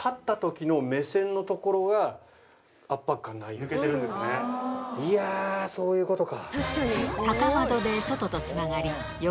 そしていやそういうことか。